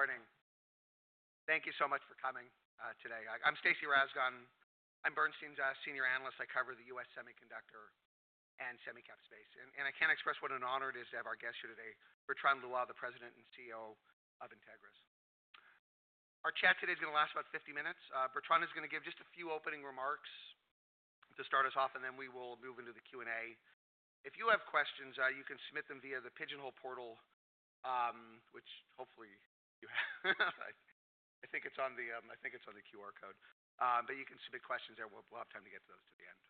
Morning. Thank you so much for coming today. I'm Stacy Rasgon. I'm Bernstein's Senior Analyst. I cover the U.S. semiconductor and semiconductor space. I can't express what an honor it is to have our guest here today, Bertrand Loy, the President and CEO of Entegris. Our chat today is going to last about 50 minutes. Bertrand is going to give just a few opening remarks to start us off, and then we will move into the Q&A. If you have questions, you can submit them via the pigeonhole portal, which hopefully you have. I think it's on the QR code, but you can submit questions there. We'll have time to get to those at the end.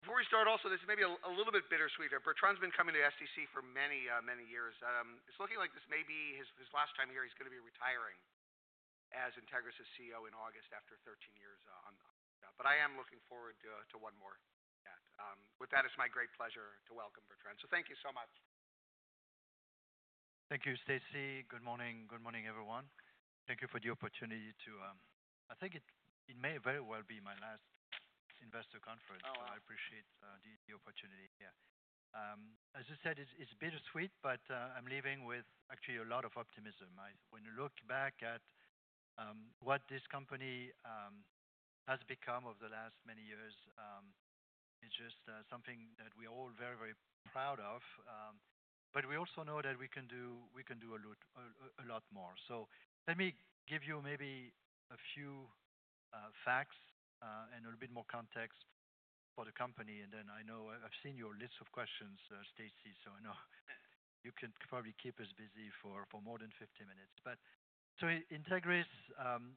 Before we start, also, this is maybe a little bit bittersweet. Bertrand's been coming to STC for many, many years. It's looking like this may be his last time here. He's going to be retiring as Entegris's CEO in August after 13 years on that. I am looking forward to one more chat. With that, it's my great pleasure to welcome Bertrand. So thank you so much. Thank you, Stacy. Good morning. Good morning, everyone. Thank you for the opportunity to, I think it may very well be my last investor conference. Oh. I appreciate the opportunity here. As you said, it's bittersweet, but I'm leaving with actually a lot of optimism. When you look back at what this company has become over the last many years, it's just something that we are all very, very proud of. We also know that we can do a lot, a lot more. Let me give you maybe a few facts and a little bit more context for the company. I know I've seen your list of questions, Stacy, so I know you can probably keep us busy for more than 50 minutes. Entegris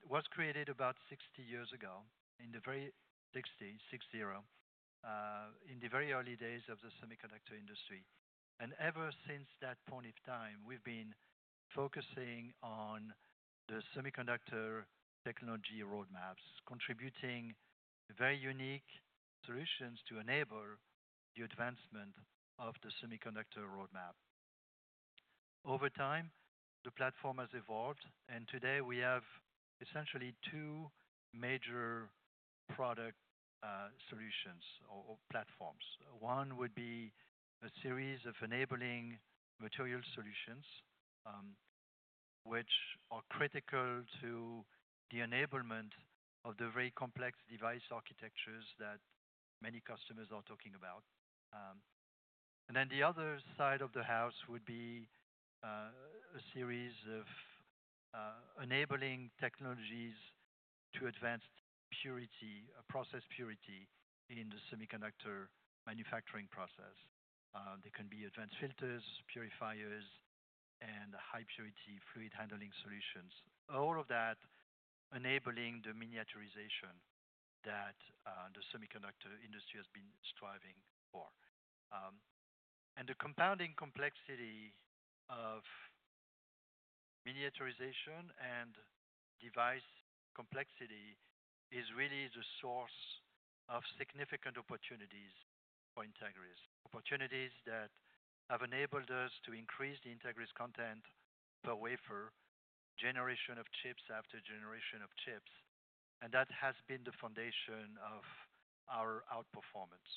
was created about 60 years ago, six-zero, in the very early days of the semiconductor industry. Ever since that point of time, we've been focusing on the semiconductor technology roadmaps, contributing very unique solutions to enable the advancement of the semiconductor roadmap. Over time, the platform has evolved, and today we have essentially two major product solutions or platforms. One would be a series of enabling material solutions, which are critical to the enablement of the very complex device architectures that many customers are talking about. Then the other side of the house would be a series of enabling technologies to advance purity, process purity in the semiconductor manufacturing process. There can be advanced filters, purifiers, and high-purity fluid handling solutions, all of that enabling the miniaturization that the semiconductor industry has been striving for. The compounding complexity of miniaturization and device complexity is really the source of significant opportunities for Entegris, opportunities that have enabled us to increase the Entegris content per wafer, generation of chips after generation of chips. That has been the foundation of our outperformance.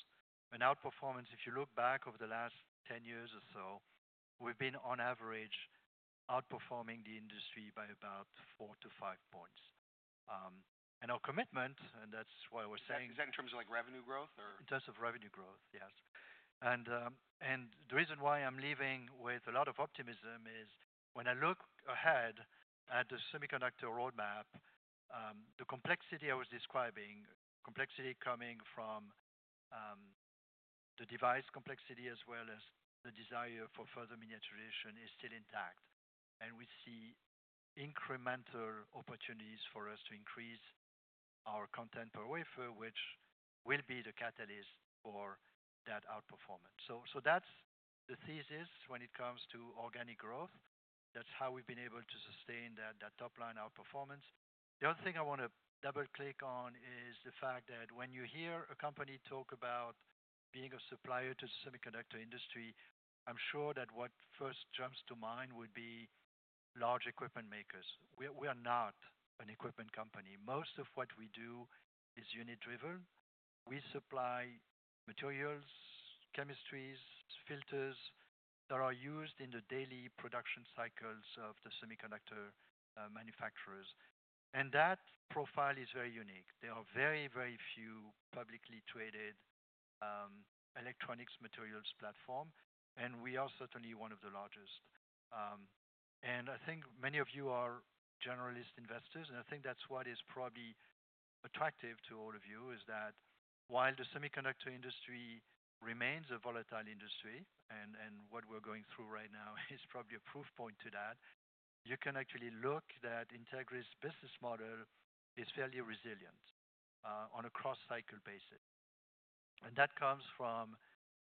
Outperformance, if you look back over the last 10 years or so, we've been on average outperforming the industry by about four to five points. Our commitment, and that's why we're saying. Is that in terms of, like, revenue growth or? In terms of revenue growth, yes. The reason why I'm leaving with a lot of optimism is when I look ahead at the semiconductor roadmap, the complexity I was describing, complexity coming from the device complexity as well as the desire for further miniaturization, is still intact. We see incremental opportunities for us to increase our content per wafer, which will be the catalyst for that outperformance. That's the thesis when it comes to organic growth. That's how we've been able to sustain that top-line outperformance. The other thing I want to double-click on is the fact that when you hear a company talk about being a supplier to the semiconductor industry, I'm sure that what first jumps to mind would be large equipment makers. We're not an equipment company. Most of what we do is unit-driven. We supply materials, chemistries, filters that are used in the daily production cycles of the semiconductor manufacturers. That profile is very unique. There are very, very few publicly traded electronics materials platform, and we are certainly one of the largest. I think many of you are generalist investors, and I think that's what is probably attractive to all of you is that while the semiconductor industry remains a volatile industry, what we're going through right now is probably a proof point to that, you can actually look that Entegris's business model is fairly resilient on a cross-cycle basis. That comes from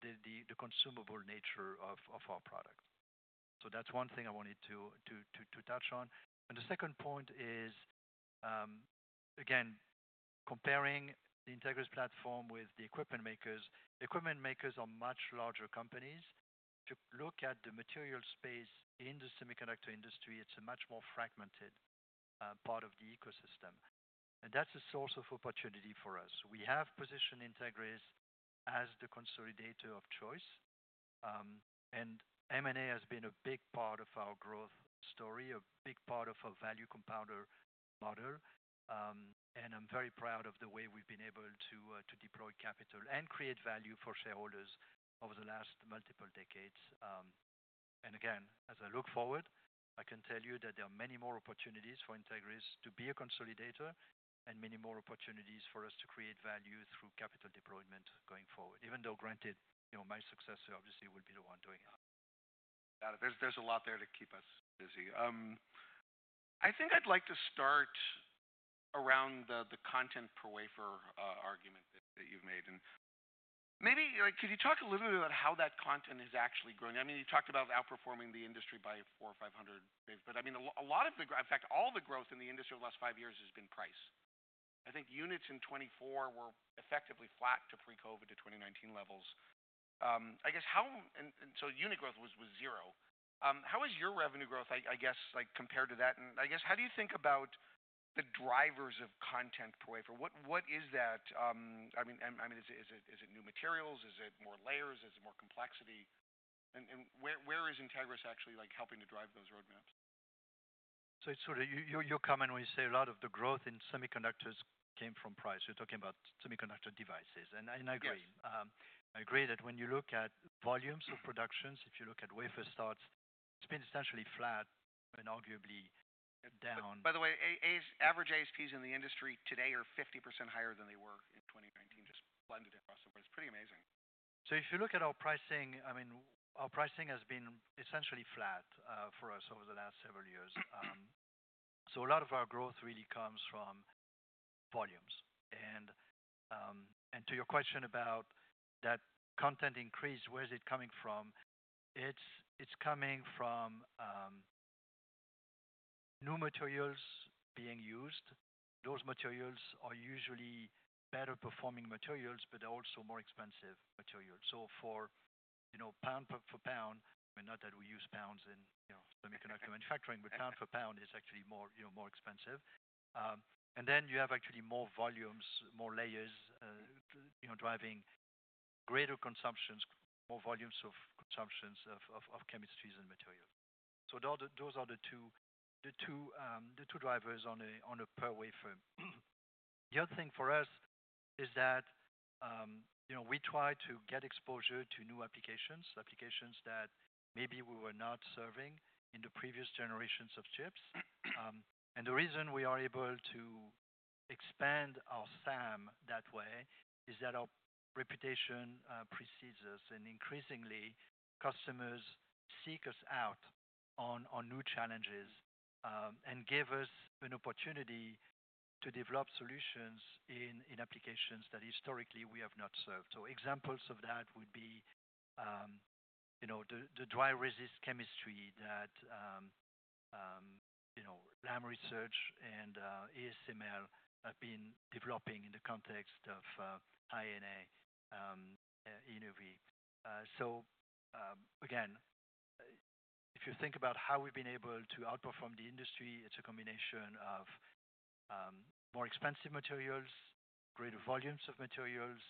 the consumable nature of our product. That is one thing I wanted to touch on. The second point is, again, comparing the Entegris platform with the equipment makers, equipment makers are much larger companies. If you look at the material space in the semiconductor industry, it's a much more fragmented part of the ecosystem. That's a source of opportunity for us. We have positioned Entegris as the consolidator of choice, and M&A has been a big part of our growth story, a big part of our value compounder model. I'm very proud of the way we've been able to deploy capital and create value for shareholders over the last multiple decades. Again, as I look forward, I can tell you that there are many more opportunities for Entegris to be a consolidator and many more opportunities for us to create value through capital deployment going forward, even though, granted, you know, my successor obviously will be the one doing it. Yeah. There's a lot there to keep us busy. I think I'd like to start around the content per wafer argument that you've made. And maybe, like, could you talk a little bit about how that content is actually growing? I mean, you talked about outperforming the industry by 400 or 500 waves, but I mean, a lot of the, in fact, all the growth in the industry over the last five years has been price. I think units in 2024 were effectively flat to pre-COVID to 2019 levels. I guess how, and so unit growth was zero. How has your revenue growth, I guess, like, compared to that? And I guess, how do you think about the drivers of content per wafer? What is that? I mean, is it new materials? Is it more layers? Is it more complexity? And where, where is Entegris actually, like, helping to drive those roadmaps? You're coming when you say a lot of the growth in semiconductors came from price. You're talking about semiconductor devices. And I agree. Yes. I agree that when you look at volumes of productions, if you look at wafer starts, it's been essentially flat and arguably down. By the way, average ASPs in the industry today are 50% higher than they were in 2019, just blended across the board. It's pretty amazing. If you look at our pricing, I mean, our pricing has been essentially flat for us over the last several years. A lot of our growth really comes from volumes. To your question about that content increase, where's it coming from? It's coming from new materials being used. Those materials are usually better-performing materials, but they're also more expensive materials. For, you know, pound for pound, I mean, not that we use pounds in, you know, semiconductor manufacturing, but pound for pound is actually more, you know, more expensive. Then you have actually more volumes, more layers, driving greater consumptions, more volumes of consumptions of chemistries and materials. Those are the two drivers on a per wafer. The other thing for us is that, you know, we try to get exposure to new applications, applications that maybe we were not serving in the previous generations of chips. The reason we are able to expand our SAM that way is that our reputation precedes us. And increasingly, customers seek us out on new challenges, and give us an opportunity to develop solutions in applications that historically we have not served. Examples of that would be, you know, the dry-resist chemistry that, you know, Lam Research and ASML have been developing in the context of EUV. Again, if you think about how we've been able to outperform the industry, it's a combination of more expensive materials, greater volumes of materials,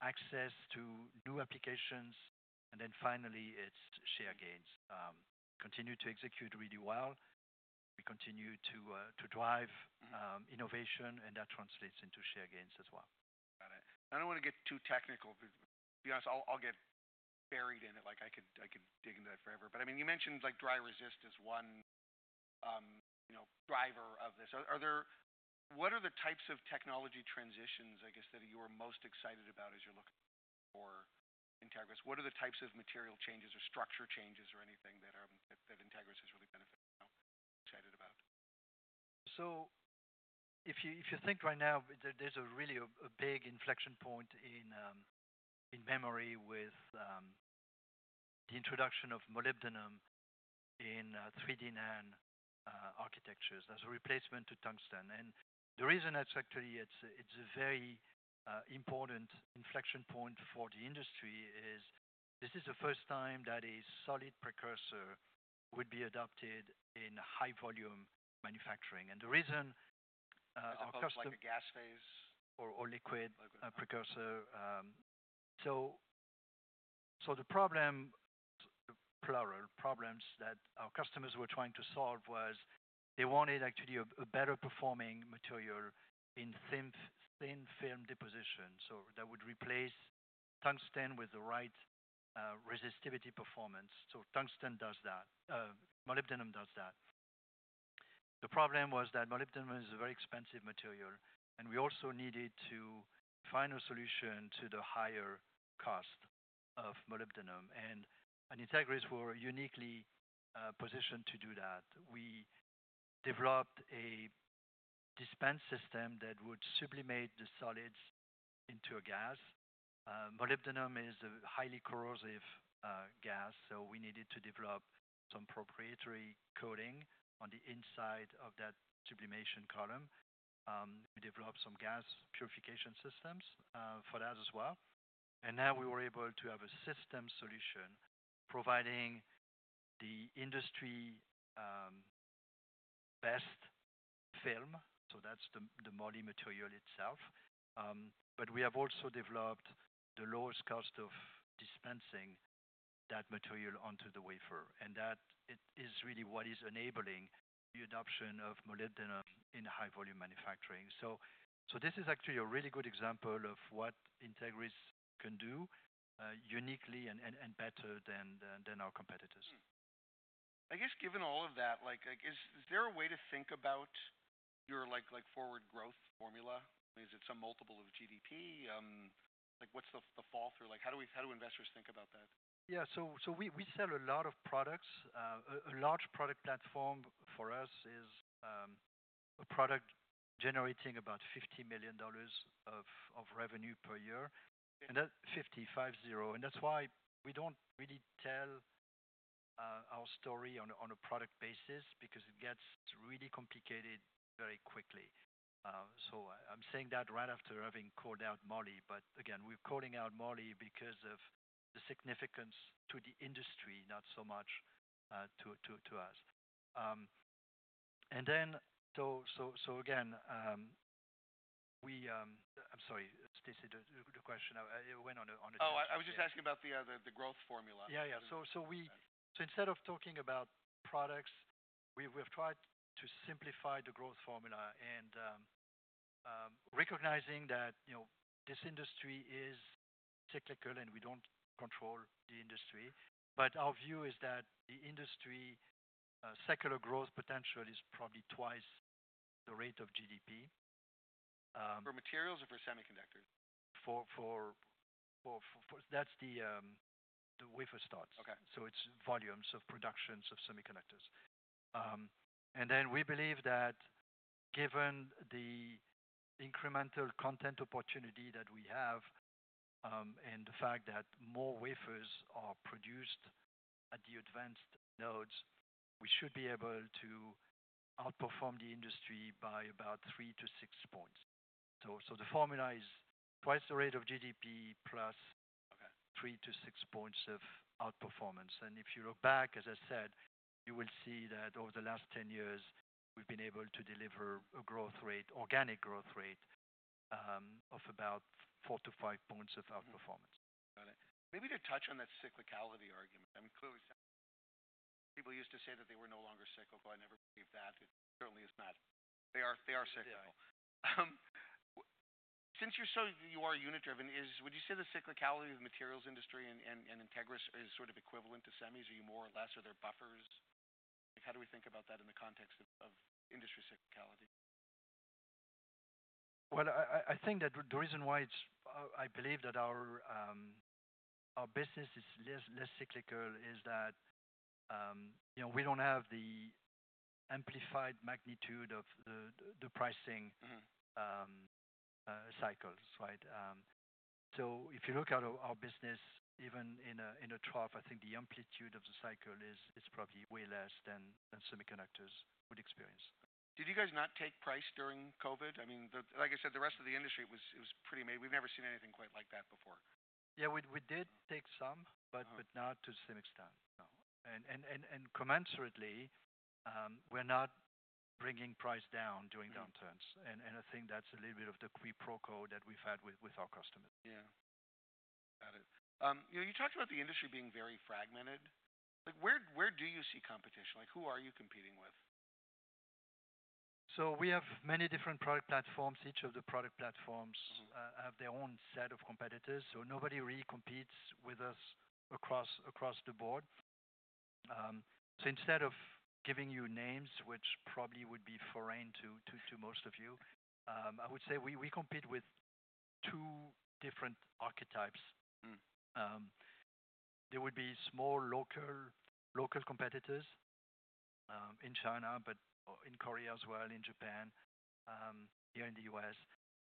access to new applications, and then finally, it's share gains. We continue to execute really well. We continue to drive innovation, and that translates into share gains as well. Got it. I don't want to get too technical, but to be honest, I'll get buried in it. Like, I could dig into that forever. I mean, you mentioned, like, dry-resist is one, you know, driver of this. Are there, what are the types of technology transitions, I guess, that you are most excited about as you're looking for Entegris? What are the types of material changes or structure changes or anything that, that Entegris has really benefited from, excited about? If you think right now, there's really a big inflection point in memory with the introduction of molybdenum in 3D NAND architectures as a replacement to tungsten. The reason that's actually, it's a very important inflection point for the industry is this is the first time that a solid precursor would be adopted in high-volume manufacturing. The reason, our customer. It's not like a gas phase or, or liquid precursor. The problem, plural problems, that our customers were trying to solve was they wanted actually a better-performing material in thin film deposition. That would replace tungsten with the right resistivity performance. Tungsten does that. Molybdenum does that. The problem was that molybdenum is a very expensive material, and we also needed to find a solution to the higher cost of molybdenum. Entegris were uniquely positioned to do that. We developed a dispense system that would sublimate the solids into a gas. Molybdenum is a highly corrosive gas, so we needed to develop some proprietary coating on the inside of that sublimation column. We developed some gas purification systems for that as well. Now we were able to have a system solution providing the industry best film. That's the moly material itself, but we have also developed the lowest cost of dispensing that material onto the wafer. That is really what is enabling the adoption of molybdenum in high-volume manufacturing. This is actually a really good example of what Entegris can do, uniquely and better than our competitors. I guess given all of that, is there a way to think about your forward growth formula? Is it some multiple of GDP? What's the fall through? How do we, how do investors think about that? Yeah. We sell a lot of products. A large product platform for us is a product generating about $50 million of revenue per year. And that is $50, five-zero. That is why we do not really tell our story on a product basis because it gets really complicated very quickly. I am saying that right after having called out moly. Again, we are calling out moly because of the significance to the industry, not so much to us. I am sorry, Stacy, the question went on a different. Oh, I was just asking about the growth formula. Yeah, yeah. So instead of talking about products, we have tried to simplify the growth formula and, recognizing that, you know, this industry is cyclical and we do not control the industry. Our view is that the industry secular growth potential is probably twice the rate of GDP. For materials or for semiconductors? For, for that's the wafer starts. Okay. It's volumes of productions of semiconductors, and then we believe that given the incremental content opportunity that we have, and the fact that more wafers are produced at the advanced nodes, we should be able to outperform the industry by about three to six points. The formula is twice the rate of GDP plus. Okay. Three to six points of outperformance. If you look back, as I said, you will see that over the last 10 years, we've been able to deliver a growth rate, organic growth rate, of about four to five points of outperformance. Got it. Maybe to touch on that cyclicality argument. I mean, clearly, people used to say that they were no longer cyclical. I never believed that. It certainly is not. They are cyclical. Yeah. Since you are unit-driven, would you say the cyclicality of the materials industry and Entegris is sort of equivalent to semis? Are you more or less? Are there buffers? How do we think about that in the context of industry cyclicality? I think that the reason why it's, I believe that our business is less cyclical is that, you know, we don't have the amplified magnitude of the pricing. Mm-hmm. Cycles, right? If you look at our business, even in a trough, I think the amplitude of the cycle is probably way less than semiconductors would experience. Did you guys not take price during COVID? I mean, like I said, the rest of the industry, it was pretty amazing. We've never seen anything quite like that before. Yeah. We did take some, but not to the same extent. No. And commensurately, we're not bringing price down during downturns. Got it. I think that's a little bit of the quid pro quo that we've had with our customers. Yeah. Got it. You know, you talked about the industry being very fragmented. Like, where do you see competition? Like, who are you competing with? We have many different product platforms. Each of the product platforms. Mm-hmm. have their own set of competitors. Nobody really competes with us across the board. Instead of giving you names, which probably would be foreign to most of you, I would say we compete with two different archetypes. There would be small local competitors in China, but in Korea as well, in Japan, here in the U.S.,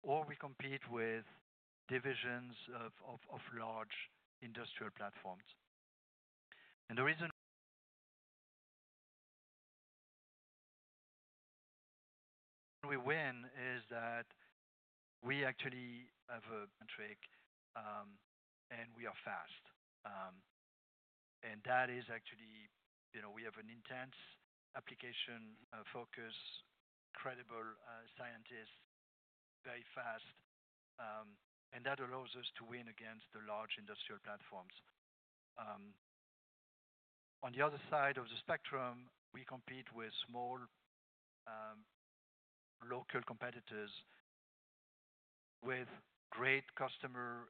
or we compete with divisions of large industrial platforms. The reason we win is that we actually have a metric, and we are fast. That is actually, you know, we have an intense application focus, incredible scientists, very fast. That allows us to win against the large industrial platforms. On the other side of the spectrum, we compete with small local competitors with great customer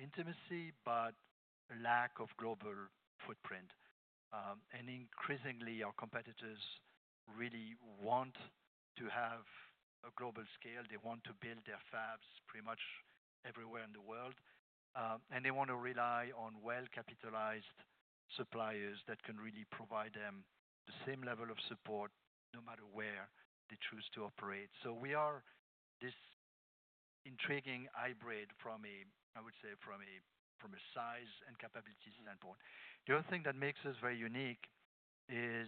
intimacy but a lack of global footprint. Increasingly, our competitors really want to have a global scale. They want to build their fabs pretty much everywhere in the world, and they want to rely on well-capitalized suppliers that can really provide them the same level of support no matter where they choose to operate. We are this intriguing hybrid from a, I would say, from a size and capability standpoint. The other thing that makes us very unique is,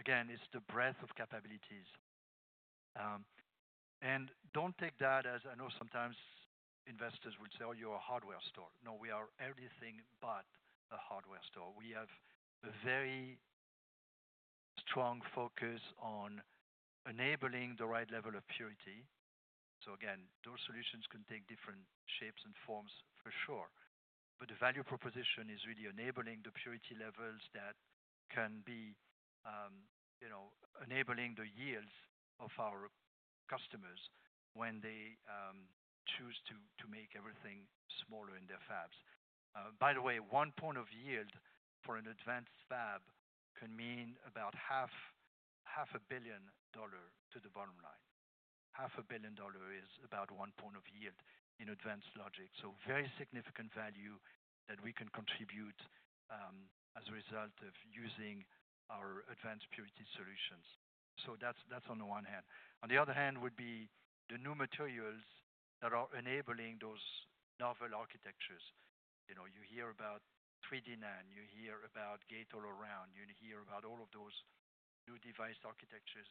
again, it's the breadth of capabilities. Do not take that as, I know sometimes investors will say, "Oh, you're a hardware store." No, we are everything but a hardware store. We have a very strong focus on enabling the right level of purity. Again, those solutions can take different shapes and forms for sure. The value proposition is really enabling the purity levels that can be, you know, enabling the yields of our customers when they choose to make everything smaller in their fabs. By the way, one point of yield for an advanced fab can mean about $500,000,000 to the bottom line. $500,000,000 is about one point of yield in advanced logic. Very significant value that we can contribute as a result of using our advanced purity solutions. That is on the one hand. On the other hand would be the new materials that are enabling those novel architectures. You know, you hear about 3D NAND. You hear about Gate-All-Around. You hear about all of those new device architectures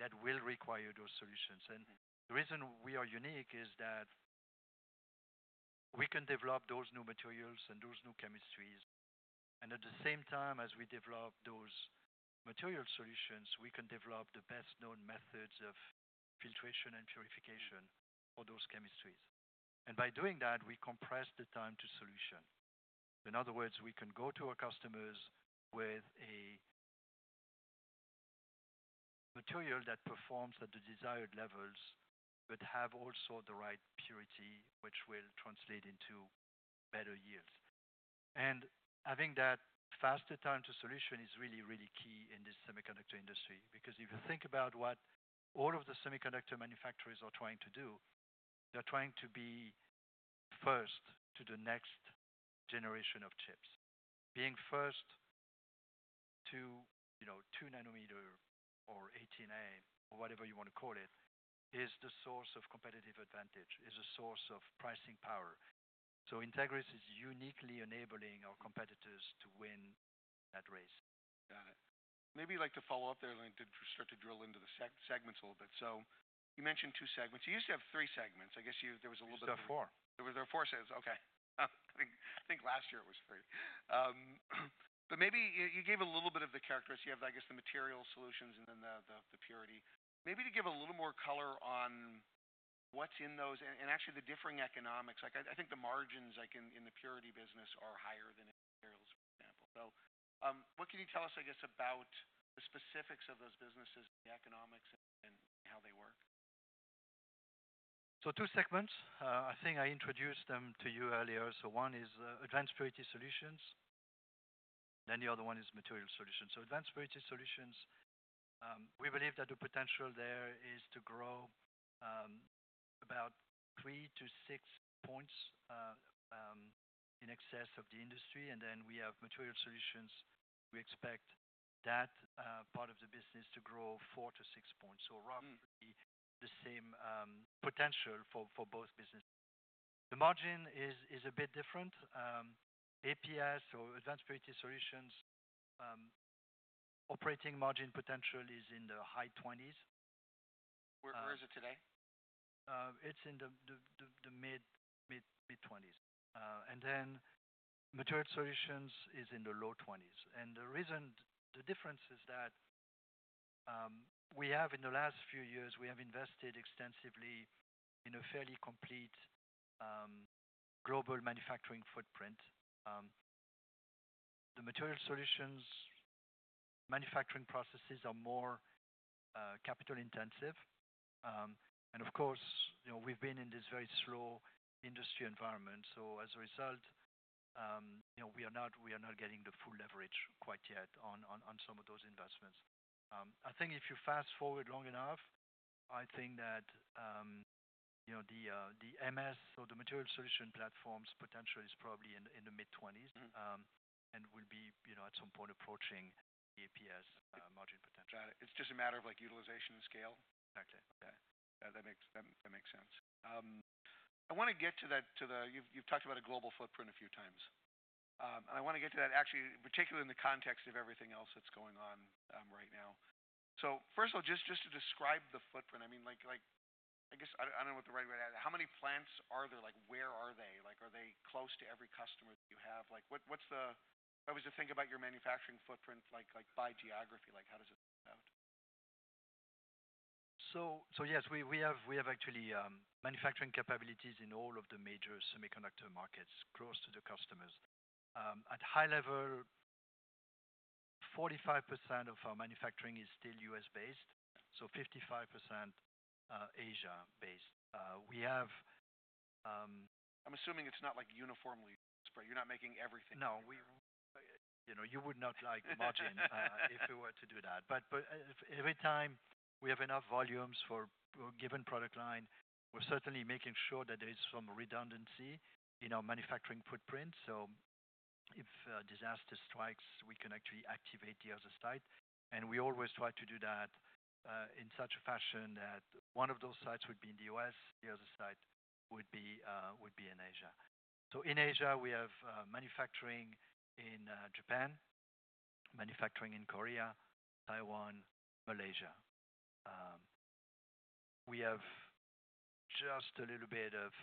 that will require those solutions. The reason we are unique is that we can develop those new materials and those new chemistries. At the same time as we develop those material solutions, we can develop the best-known methods of filtration and purification for those chemistries. By doing that, we compress the time to solution. In other words, we can go to our customers with a material that performs at the desired levels but also has the right purity, which will translate into better yields. Having that faster time to solution is really, really key in this semiconductor industry because if you think about what all of the semiconductor manufacturers are trying to do, they're trying to be first to the next generation of chips. Being first to, you know, two nanometer or 18A or whatever you want to call it is the source of competitive advantage, is a source of pricing power. So Entegris is uniquely enabling our competitors to win that race. Got it. Maybe you'd like to follow up there, Lynn, to start to drill into the segments a little bit. You mentioned two segments. You used to have three segments. I guess there was a little bit. We used to have four. There were four segments. Okay. I think last year it was three. Maybe you gave a little bit of the characteristic of, I guess, the material solutions and then the purity. Maybe give a little more color on what's in those and actually the differing economics. Like, I think the margins, like, in the purity business are higher than in the materials, for example. What can you tell us, I guess, about the specifics of those businesses, the economics, and how they work? Two segments. I think I introduced them to you earlier. One is advanced purity solutions. The other one is material solutions. Advanced purity solutions, we believe that the potential there is to grow about three to six percentage points in excess of the industry. Then we have material solutions. We expect that part of the business to grow four to six percentage points. Roughly the same potential for both businesses. The margin is a bit different. APS or advanced purity solutions, operating margin potential is in the high 20s. Where is it today? It's in the mid-20s, and then material solutions is in the low 20s. The reason, the difference is that we have, in the last few years, invested extensively in a fairly complete global manufacturing footprint. The material solutions manufacturing processes are more capital intensive. Of course, you know, we've been in this very slow industry environment. As a result, you know, we are not getting the full leverage quite yet on some of those investments. I think if you fast forward long enough, I think that, you know, the MS or the material solutions platform's potential is probably in the mid-20s and will be, you know, at some point approaching the APS margin potential. Got it. It's just a matter of, like, utilization and scale? Exactly. Okay. That makes sense. I want to get to that, to the, you've talked about a global footprint a few times, and I want to get to that actually, particularly in the context of everything else that's going on right now. First of all, just to describe the footprint, I mean, like, I guess I don't know what the right way to ask. How many plants are there? Where are they? Are they close to every customer that you have? What's the, how should we think about your manufacturing footprint, like, by geography? How does it play out? Yes, we have actually manufacturing capabilities in all of the major semiconductor markets close to the customers. At a high level, 45% of our manufacturing is still U.S.-based. Okay. 55%, Asia-based. We have, I'm assuming it's not like uniformly spread. You're not making everything. No, we, you know, you would not like margin, if we were to do that. Every time we have enough volumes for a given product line, we're certainly making sure that there is some redundancy in our manufacturing footprint. If disaster strikes, we can actually activate the other site. We always try to do that in such a fashion that one of those sites would be in the U.S., the other site would be in Asia. In Asia, we have manufacturing in Japan, manufacturing in Korea, Taiwan, Malaysia. We have just a little bit of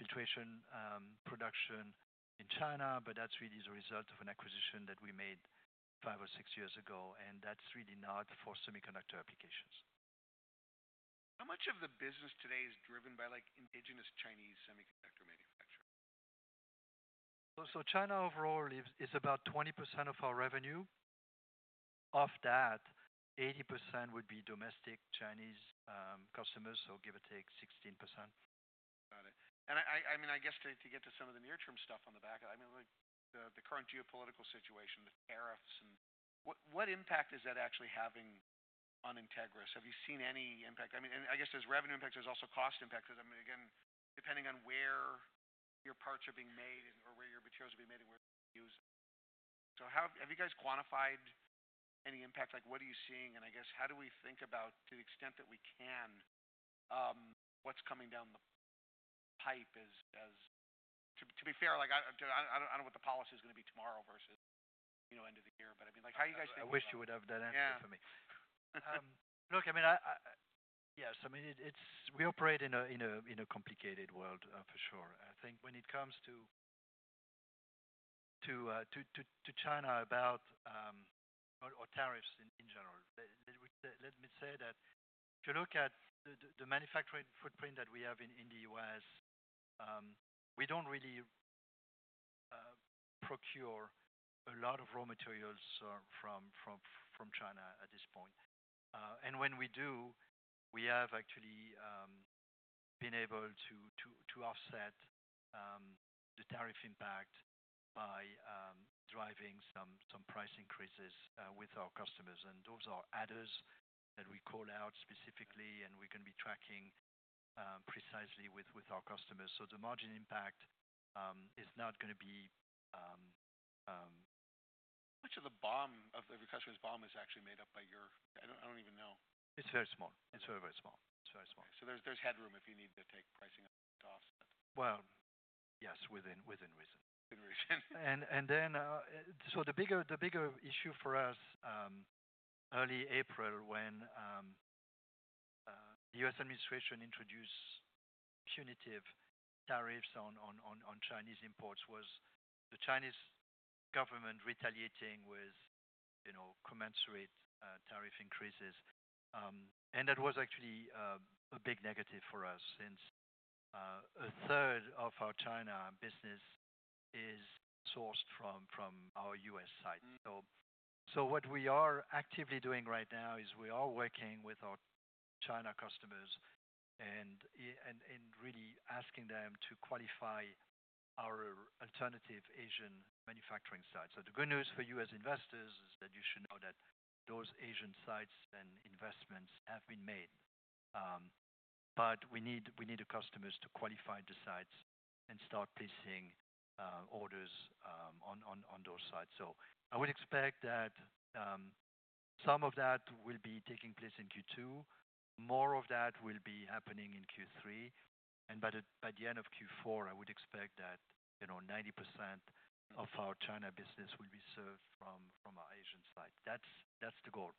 filtration production in China, but that's really the result of an acquisition that we made five or six years ago. That's really not for semiconductor applications. How much of the business today is driven by, like, indigenous Chinese semiconductor manufacturers? China overall is about 20% of our revenue. Of that, 80% would be domestic Chinese customers, so give or take 16%. Got it. And I mean, I guess to get to some of the near-term stuff on the back end, I mean, like, the current geopolitical situation, the tariffs, and what impact is that actually having on Entegris? Have you seen any impact? I mean, and I guess there's revenue impact. There's also cost impact because, I mean, again, depending on where your parts are being made and/or where your materials are being made and where they're used. So how have you guys quantified any impact? Like, what are you seeing? And I guess how do we think about, to the extent that we can, what's coming down the pipe as, as to be fair, like, I don't know what the policy is going to be tomorrow versus, you know, end of the year. I mean, like, how do you guys think? Yeah. I wish you would have that answer for me. Yeah. Look, I mean, yes, I mean, we operate in a complicated world, for sure. I think when it comes to China or tariffs in general, let me say that if you look at the manufacturing footprint that we have in the U.S., we do not really procure a lot of raw materials from China at this point. And when we do, we have actually been able to offset the tariff impact by driving some price increases with our customers. Those are adders that we call out specifically, and we are going to be tracking precisely with our customers. The margin impact is not going to be, Much of the BOM of every customer's BOM is actually made up by your. I don't, I don't even know. It's very small. It's very, very small. There's headroom if you need to take pricing offset. Yes, within reason. Within reason. The bigger issue for us, early April when the U.S. administration introduced punitive tariffs on Chinese imports, was the Chinese government retaliating with, you know, commensurate tariff increases. That was actually a big negative for us since a third of our China business is sourced from our U.S. sites. What we are actively doing right now is we are working with our China customers and really asking them to qualify our alternative Asian manufacturing sites. The good news for you as investors is that you should know that those Asian sites and investments have been made. We need the customers to qualify the sites and start placing orders on those sites. I would expect that some of that will be taking place in Q2. More of that will be happening in Q3. By the end of Q4, I would expect that, you know, 90% of our China business will be served from our Asian site. That is the goal.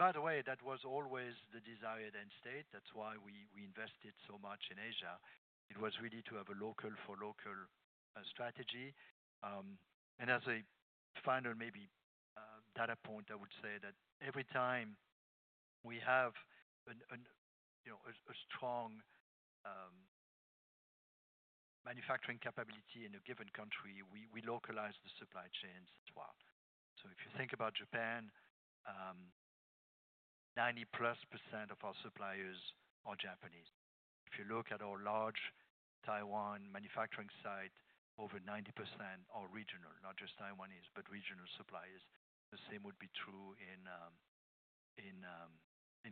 By the way, that was always the desired end state. That is why we invested so much in Asia. It was really to have a local-for-local strategy. As a final maybe data point, I would say that every time we have a strong manufacturing capability in a given country, we localize the supply chains as well. If you think about Japan, 90-plus % of our suppliers are Japanese. If you look at our large Taiwan manufacturing site, over 90% are regional, not just Taiwanese, but regional suppliers. The same would be true in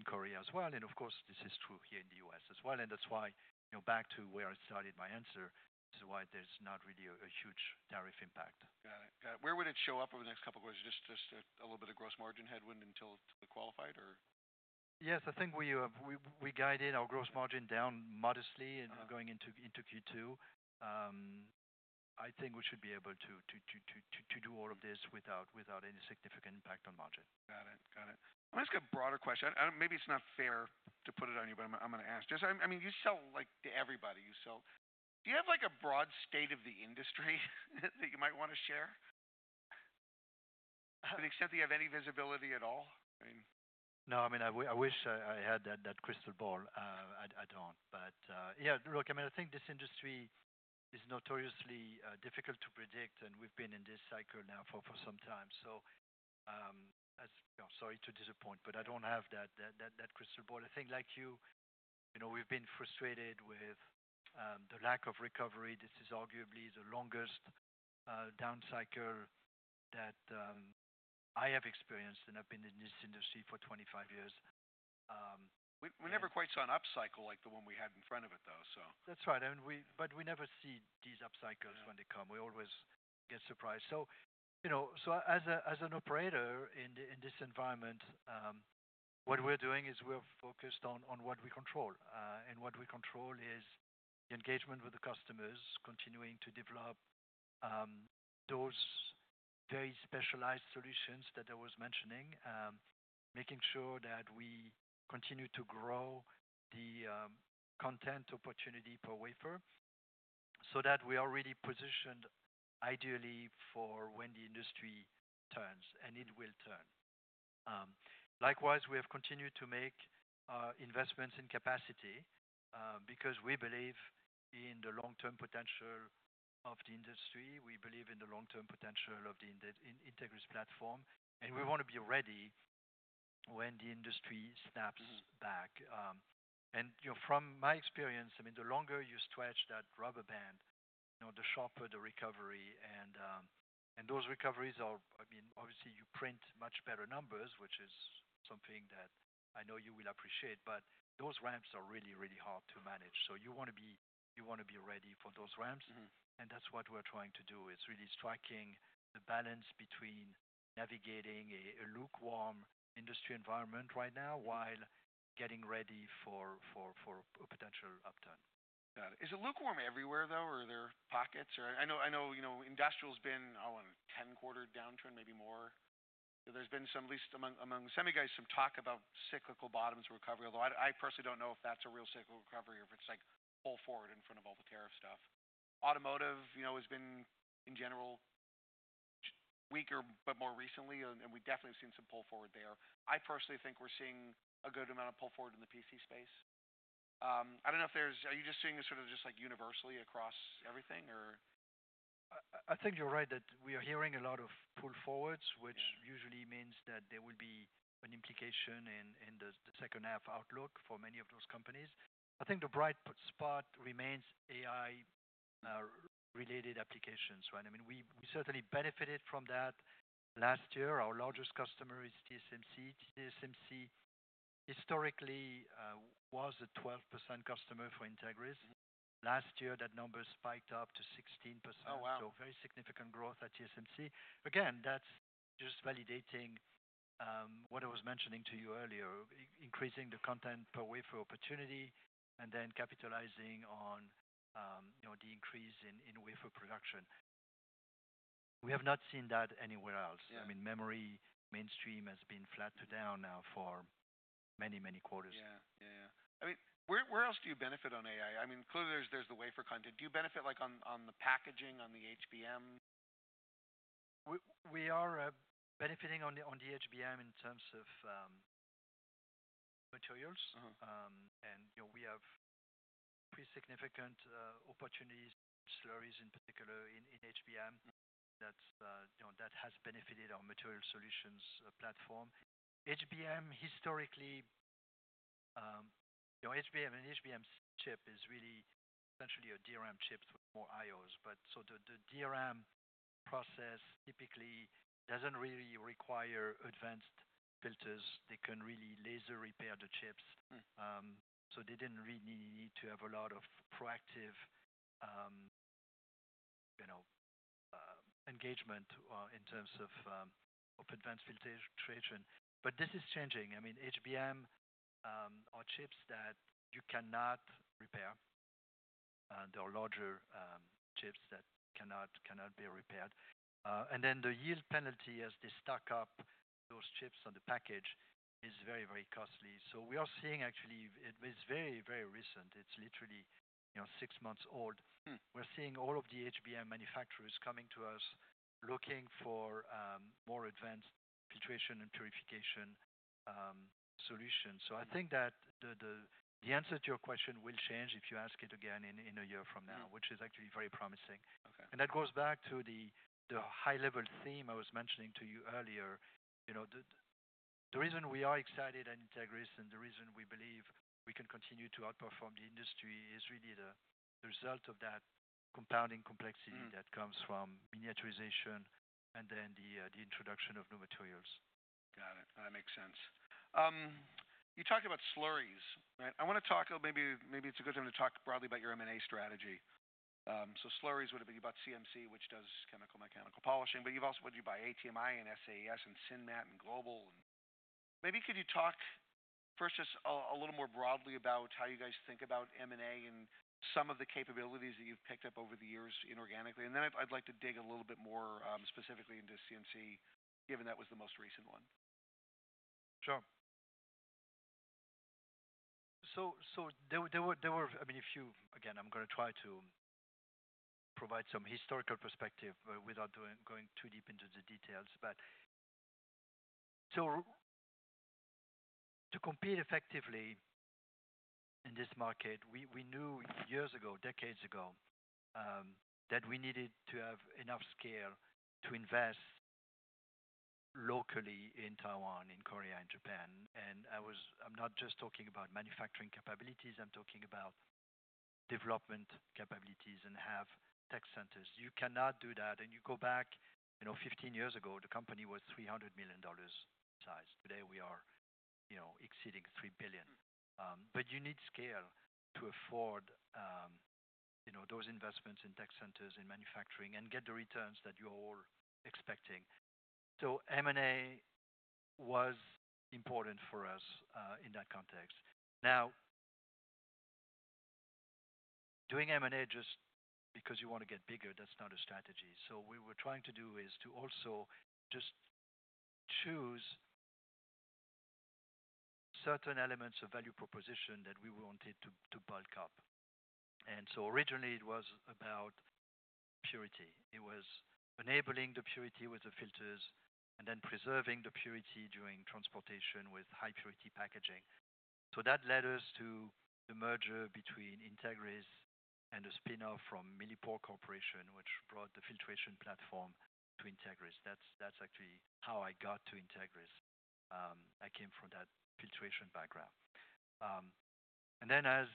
Korea as well. Of course, this is true here in the U.S. as well. That is why, you know, back to where I started my answer, this is why there is not really a huge tariff impact. Got it. Got it. Where would it show up over the next couple of goals? Just a little bit of gross margin headwind until it's qualified, or? Yes, I think we guided our gross margin down modestly going into Q2. I think we should be able to do all of this without any significant impact on margin. Got it. I'm going to ask a broader question. I don't know, maybe it's not fair to put it on you, but I'm going to ask. Just, I mean, you sell, like, to everybody. You sell. Do you have, like, a broad state of the industry that you might want to share? To the extent that you have any visibility at all? I mean. No, I mean, I wish I had that crystal ball. I do not. Yeah, look, I think this industry is notoriously difficult to predict, and we have been in this cycle now for some time. That is, you know, sorry to disappoint, but I do not have that crystal ball. I think, like you, you know, we have been frustrated with the lack of recovery. This is arguably the longest down cycle that I have experienced, and I have been in this industry for 25 years. We never quite saw an up cycle like the one we had in front of it, though. That's right. I mean, we never see these up cycles when they come. We always get surprised. You know, as an operator in this environment, what we're doing is we're focused on what we control. What we control is the engagement with the customers, continuing to develop those very specialized solutions that I was mentioning, making sure that we continue to grow the content opportunity per wafer so that we are really positioned ideally for when the industry turns, and it will turn. Likewise, we have continued to make investments in capacity, because we believe in the long-term potential of the industry. We believe in the long-term potential of the Entegris platform, and we want to be ready when the industry snaps back. And, you know, from my experience, I mean, the longer you stretch that rubber band, you know, the sharper the recovery. And those recoveries are, I mean, obviously, you print much better numbers, which is something that I know you will appreciate, but those ramps are really, really hard to manage. So you want to be, you want to be ready for those ramps. Mm-hmm. That's what we're trying to do. It's really striking the balance between navigating a lukewarm industry environment right now while getting ready for a potential upturn. Got it. Is it lukewarm everywhere, though, or are there pockets? Or I know, I know, you know, industrial's been on a 10-quarter downturn, maybe more. There's been some, at least among semi guys, some talk about cyclical bottoms of recovery, although I, I personally don't know if that's a real cyclical recovery or if it's like pull forward in front of all the tariff stuff. Automotive, you know, has been in general weaker, but more recently, and we definitely have seen some pull forward there. I personally think we're seeing a good amount of pull forward in the PC space. I don't know if there's are you just seeing this sort of just like universally across everything, or? I think you're right that we are hearing a lot of pull forwards, which usually means that there will be an implication in the second-half outlook for many of those companies. I think the bright spot remains AI-related applications, right? I mean, we certainly benefited from that last year. Our largest customer is TSMC. TSMC historically was a 12% customer for Entegris. Last year, that number spiked up to 16%. Oh, wow. Very significant growth at TSMC. Again, that's just validating what I was mentioning to you earlier, increasing the content per wafer opportunity and then capitalizing on, you know, the increase in wafer production. We have not seen that anywhere else. Yeah. I mean, memory mainstream has been flat to down now for many, many quarters. Yeah. Yeah. I mean, where else do you benefit on AI? I mean, clearly there's the wafer content. Do you benefit like on the packaging, on the HBM? We are benefiting on the HBM in terms of materials. Uh-huh. and, you know, we have pretty significant opportunities, slurries in particular in, in HBM. Mm-hmm. That's, you know, that has benefited our material solutions platform. HBM historically, you know, HBM and HBM chip is really essentially a DRAM chip with more I/Os. The DRAM process typically does not really require advanced filters. They can really laser repair the chips, so they did not really need to have a lot of proactive, you know, engagement in terms of advanced filtration. This is changing. I mean, HBM are chips that you cannot repair. There are larger chips that cannot be repaired, and then the yield penalty as they stack up those chips on the package is very, very costly. We are seeing actually, it is very, very recent. It is literally, you know, six months old. We are seeing all of the HBM manufacturers coming to us looking for more advanced filtration and purification solutions. I think that the answer to your question will change if you ask it again in a year from now, which is actually very promising. Okay. That goes back to the high-level theme I was mentioning to you earlier. You know, the reason we are excited at Entegris and the reason we believe we can continue to outperform the industry is really the result of that compounding complexity that comes from miniaturization and then the introduction of new materials. Got it. That makes sense. You talked about slurries, right? I want to talk maybe, maybe it's a good time to talk broadly about your M&A strategy. So slurries would have been about CMC, which does chemical mechanical polishing, but you've also been doing ATMI and SAES and SinMat and Global. Maybe could you talk first just a little more broadly about how you guys think about M&A and some of the capabilities that you've picked up over the years inorganically? Then I'd like to dig a little bit more specifically into CMC, given that was the most recent one. Sure. There were, I mean, if you again, I'm going to try to provide some historical perspective without going too deep into the details, but to compete effectively in this market, we knew years ago, decades ago, that we needed to have enough scale to invest locally in Taiwan, in Korea, in Japan. I am not just talking about manufacturing capabilities. I'm talking about development capabilities and having tech centers. You cannot do that. You go back, you know, 15 years ago, the company was $300 million in size. Today, we are, you know, exceeding $3 billion. You need scale to afford those investments in tech centers and manufacturing and get the returns that you're all expecting. M&A was important for us in that context. Now, doing M&A just because you want to get bigger, that's not a strategy. What we were trying to do is to also just choose certain elements of value proposition that we wanted to, to bulk up. Originally, it was about purity. It was enabling the purity with the filters and then preserving the purity during transportation with high-purity packaging. That led us to the merger between Entegris and a spin-off from Millipore Corporation, which brought the filtration platform to Entegris. That's actually how I got to Entegris. I came from that filtration background. As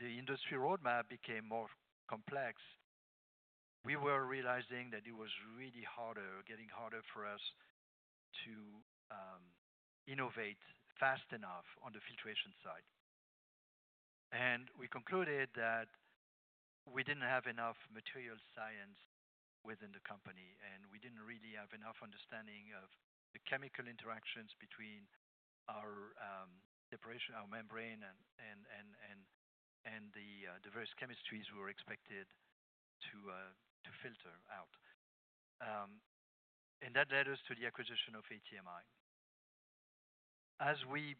the industry roadmap became more complex, we were realizing that it was really getting harder for us to innovate fast enough on the filtration side. We concluded that we did not have enough material science within the company, and we did not really have enough understanding of the chemical interactions between our separation, our membrane, and the diverse chemistries we were expected to filter out. That led us to the acquisition of ATMI. As we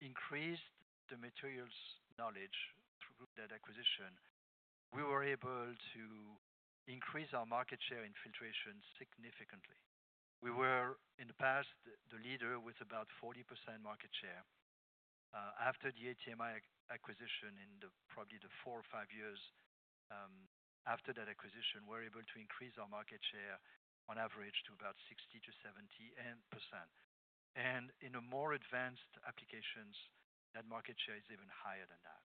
increased the materials knowledge through that acquisition, we were able to increase our market share in filtration significantly. We were, in the past, the leader with about 40% market share. After the ATMI acquisition, in probably the four or five years after that acquisition, we were able to increase our market share on average to about 60-70%. In the more advanced applications, that market share is even higher than that.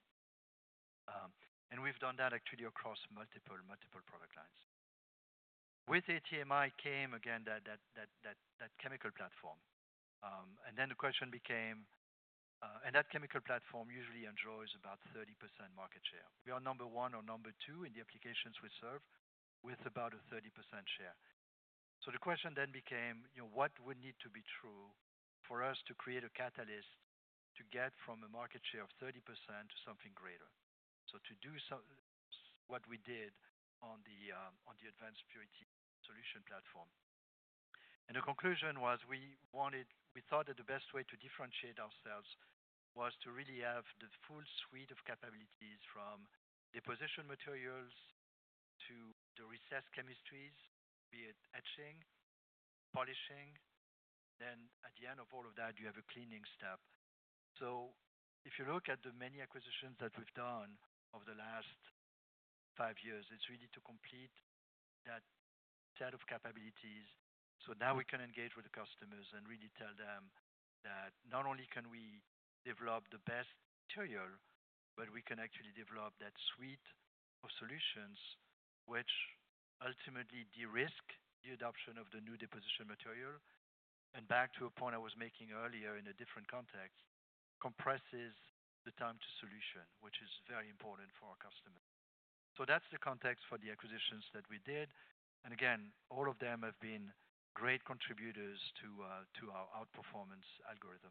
We have done that actually across multiple product lines. With ATMI came again that chemical platform. and then the question became, and that chemical platform usually enjoys about 30% market share. We are number one or number two in the applications we serve with about a 30% share. The question then became, you know, what would need to be true for us to create a catalyst to get from a market share of 30% to something greater? To do some, what we did on the advanced purity solution platform. The conclusion was we wanted, we thought that the best way to differentiate ourselves was to really have the full suite of capabilities from deposition materials to the recessed chemistries, be it etching, polishing. Then at the end of all of that, you have a cleaning step. If you look at the many acquisitions that we've done over the last five years, it's really to complete that set of capabilities so now we can engage with the customers and really tell them that not only can we develop the best material, but we can actually develop that suite of solutions, which ultimately de-risk the adoption of the new deposition material. Back to a point I was making earlier in a different context, compresses the time to solution, which is very important for our customers. That's the context for the acquisitions that we did. Again, all of them have been great contributors to our outperformance algorithm.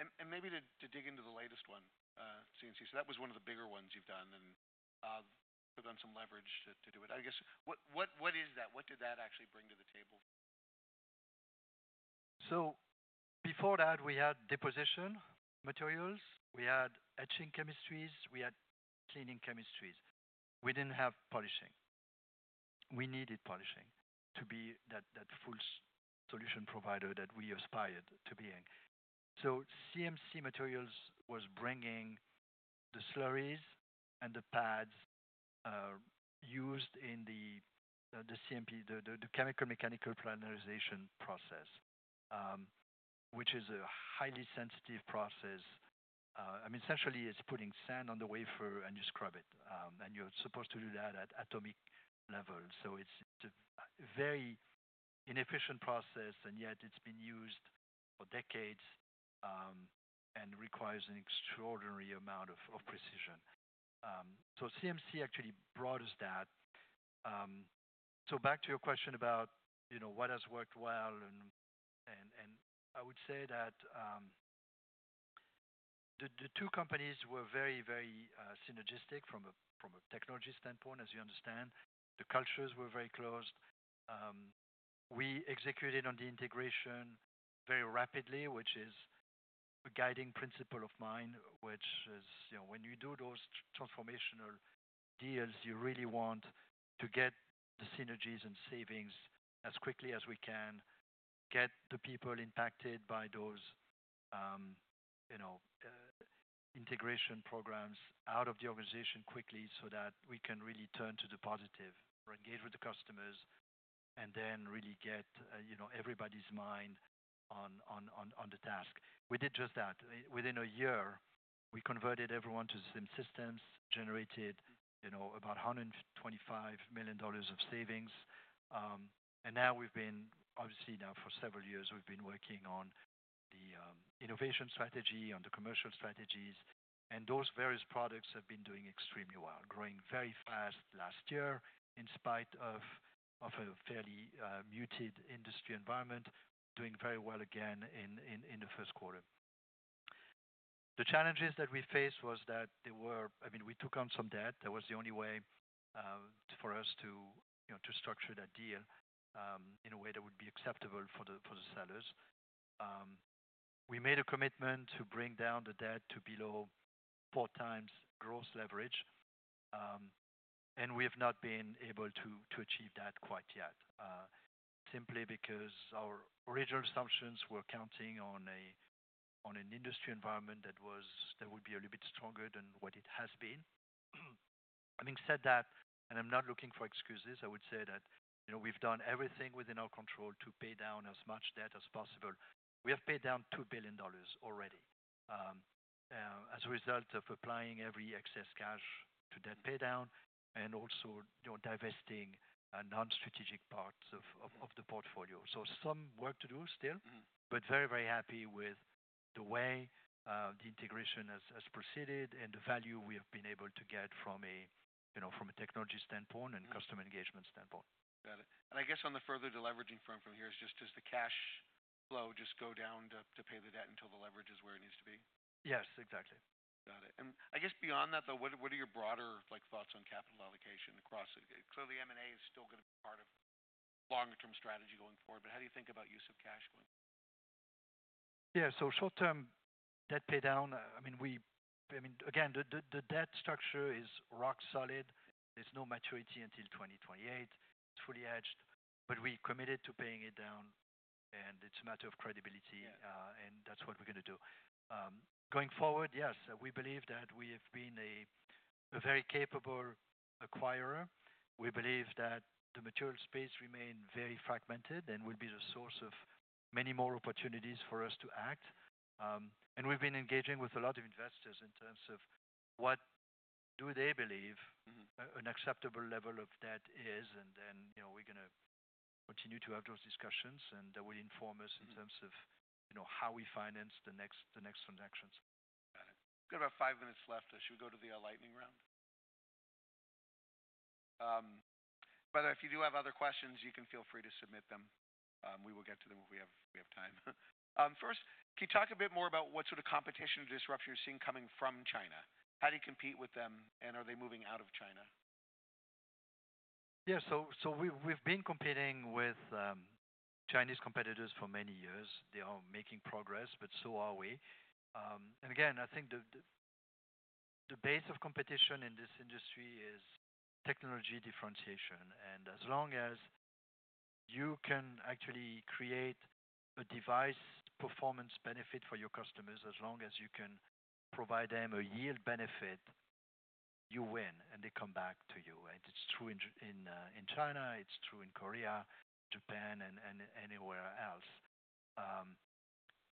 And maybe to dig into the latest one, CMC, so that was one of the bigger ones you've done and put on some leverage to do it. I guess what is that? What did that actually bring to the table? Before that, we had deposition materials. We had etching chemistries. We had cleaning chemistries. We did not have polishing. We needed polishing to be that full solution provider that we aspired to being. CMC Materials was bringing the slurries and the pads used in the CMP, the chemical mechanical planarization process, which is a highly sensitive process. I mean, essentially, it is putting sand on the wafer and you scrub it, and you are supposed to do that at atomic level. It is a very inefficient process, and yet it has been used for decades, and requires an extraordinary amount of precision. CMC actually brought us that. Back to your question about what has worked well, I would say that the two companies were very synergistic from a technology standpoint, as you understand. The cultures were very closed. We executed on the integration very rapidly, which is a guiding principle of mine, which is, you know, when you do those transformational deals, you really want to get the synergies and savings as quickly as we can, get the people impacted by those, you know, integration programs out of the organization quickly so that we can really turn to the positive, engage with the customers, and then really get, you know, everybody's mind on the task. We did just that. Within a year, we converted everyone to SIM systems, generated, you know, about $125 million of savings. Now we've been, obviously, for several years, we've been working on the innovation strategy, on the commercial strategies, and those various products have been doing extremely well, growing very fast last year in spite of a fairly muted industry environment, but doing very well again in the first quarter. The challenges that we faced was that there were, I mean, we took on some debt. That was the only way for us to, you know, to structure that deal in a way that would be acceptable for the sellers. We made a commitment to bring down the debt to below four times gross leverage, and we have not been able to achieve that quite yet, simply because our original assumptions were counting on an industry environment that would be a little bit stronger than what it has been. Having said that, and I'm not looking for excuses, I would say that, you know, we've done everything within our control to pay down as much debt as possible. We have paid down $2 billion already, as a result of applying every excess cash to debt paydown and also, you know, divesting non-strategic parts of the portfolio. Some work to do still. Very, very happy with the way the integration has proceeded and the value we have been able to get from a, you know, from a technology standpoint and customer engagement standpoint. Got it. I guess on the further to leveraging from here is just, does the cash flow just go down to pay the debt until the leverage is where it needs to be? Yes, exactly. Got it. I guess beyond that, though, what are your broader, like, thoughts on capital allocation across? Clearly, M&A is still going to be part of longer-term strategy going forward, but how do you think about use of cash going forward? Yeah. Short-term debt paydown, I mean, we, I mean, again, the debt structure is rock solid. There's no maturity until 2028. It's fully hedged, but we committed to paying it down, and it's a matter of credibility. Yeah. That's what we're going to do. Going forward, yes, we believe that we have been a very capable acquirer. We believe that the material space remains very fragmented and will be the source of many more opportunities for us to act. We've been engaging with a lot of investors in terms of what do they believe. Mm-hmm. An acceptable level of debt is, and then, you know, we're going to continue to have those discussions, and that will inform us in terms of, you know, how we finance the next, the next transactions. Got it. We've got about five minutes left. Should we go to the lightning round? By the way, if you do have other questions, you can feel free to submit them. We will get to them if we have time. First, can you talk a bit more about what sort of competition disruption you're seeing coming from China? How do you compete with them, and are they moving out of China? Yeah. We've been competing with Chinese competitors for many years. They are making progress, but so are we. I think the base of competition in this industry is technology differentiation. As long as you can actually create a device performance benefit for your customers, as long as you can provide them a yield benefit, you win, and they come back to you. It is true in China. It is true in Korea, Japan, and anywhere else.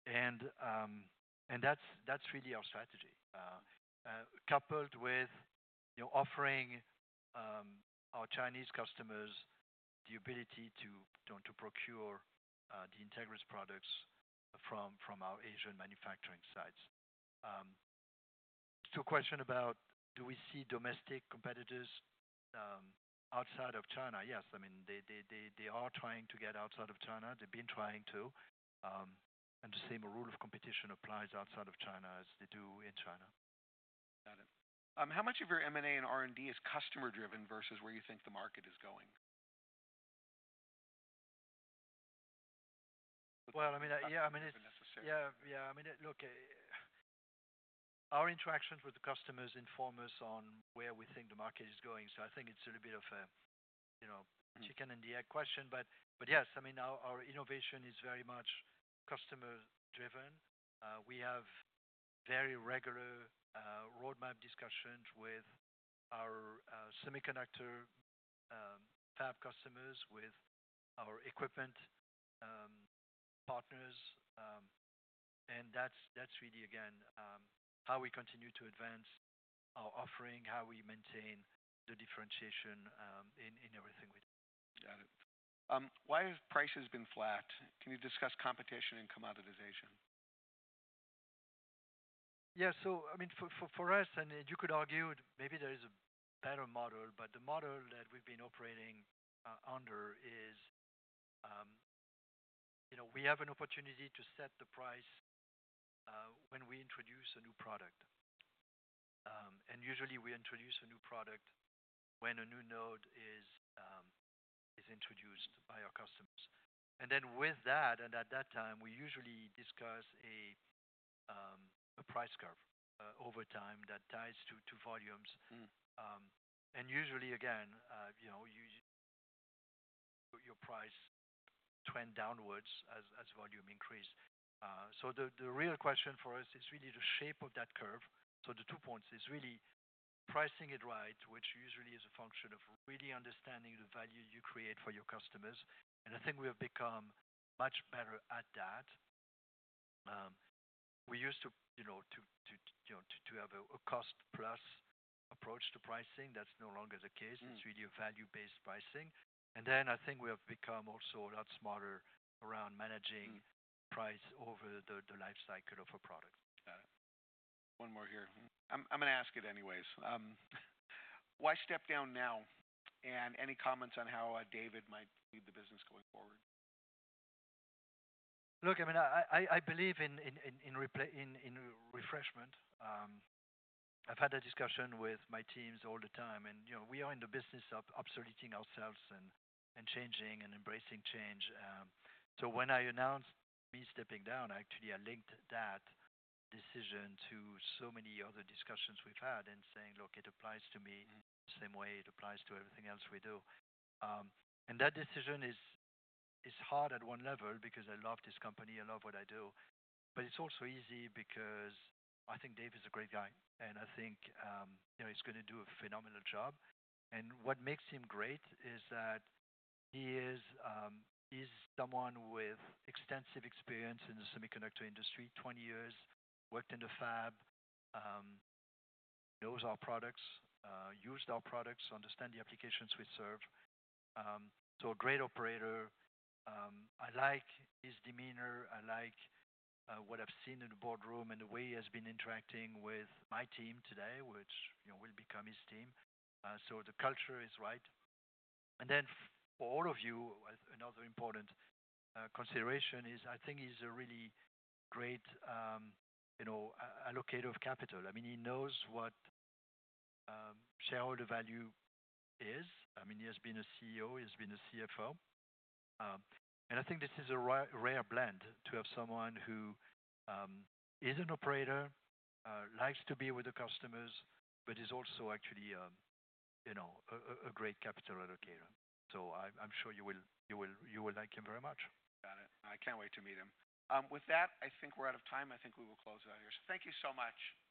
That is really our strategy, coupled with offering our Chinese customers the ability to procure the Entegris products from our Asian manufacturing sites. To a question about do we see domestic competitors outside of China? Yes. I mean, they are trying to get outside of China. They have been trying to. The same rule of competition applies outside of China as they do in China. Got it. How much of your M&A and R&D is customer-driven versus where you think the market is going? I mean, yeah, I mean, it's. Not necessarily. Yeah, yeah. I mean, look, our interactions with the customers inform us on where we think the market is going. I think it's a little bit of a, you know, chicken and the egg question. But yes, I mean, our innovation is very much customer-driven. We have very regular roadmap discussions with our semiconductor fab customers, with our equipment partners. That's really, again, how we continue to advance our offering, how we maintain the differentiation in everything we do. Got it. Why have prices been flat? Can you discuss competition and commoditization? Yeah. I mean, for us, you could argue maybe there is a better model, but the model that we've been operating under is, you know, we have an opportunity to set the price when we introduce a new product. Usually we introduce a new product when a new node is introduced by our customers. At that time, we usually discuss a price curve over time that ties to volumes. Usually, again, you know, your price trends downward as volume increases. The real question for us is really the shape of that curve. The two points are really pricing it right, which usually is a function of really understanding the value you create for your customers. I think we have become much better at that. We used to, you know, have a cost-plus approach to pricing. That's no longer the case. It's really a value-based pricing. I think we have become also a lot smarter around managing the price over the lifecycle of a product. Got it. One more here. I'm going to ask it anyways. Why step down now? And any comments on how David might lead the business going forward? Look, I mean, I believe in refreshment. I've had a discussion with my teams all the time, and, you know, we are in the business of obsoleting ourselves and changing and embracing change. When I announced me stepping down, I actually linked that decision to so many other discussions we've had and saying, "Look, it applies to me." The same way it applies to everything else we do. That decision is hard at one level because I love this company. I love what I do. It is also easy because I think David's a great guy, and I think, you know, he's going to do a phenomenal job. What makes him great is that he is someone with extensive experience in the semiconductor industry, 20 years, worked in the fab, knows our products, used our products, understands the applications we serve. A great operator. I like his demeanor. I like what I've seen in the boardroom and the way he has been interacting with my team today, which, you know, will become his team. The culture is right. For all of you, another important consideration is, I think he's a really great, you know, allocator of capital. I mean, he knows what shareholder value is. I mean, he has been a CEO. He has been a CFO. I think this is a rare, rare blend to have someone who is an operator, likes to be with the customers, but is also actually, you know, a great capital allocator. I'm sure you will like him very much. Got it. I can't wait to meet him. With that, I think we're out of time. I think we will close it out here. Thank you so much. Great. Thank you.